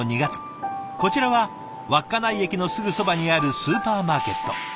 こちらは稚内駅のすぐそばにあるスーパーマーケット。